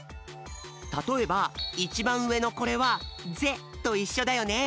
たとえばいちばんうえのこれは「ぜ」といっしょだよね。